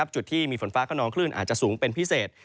จุดที่มีฝนฟ้าขนองคลื่นอาจจะสูงเป็นพิเศษ